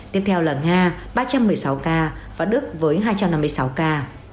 tiếp theo là nga ba trăm một mươi sáu ca và đức với hai trăm năm mươi sáu ca